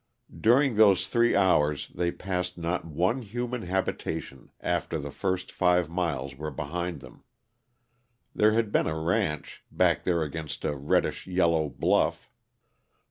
During those three hours they passed not one human habitation after the first five miles were behind them. There had been a ranch, back there against a reddish yellow bluff.